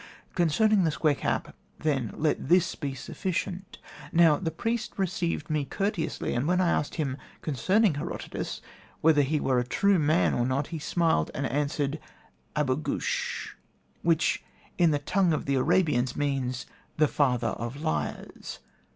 Concerning the square cap, then, let this be sufficient. Now, the priest received me courteously, and when I asked him, concerning Herodotus, whether he were a true man or not, he smiled, and answered 'Abu Goosh,' which, in the tongue of the Arabians, means 'The Father of Liars.'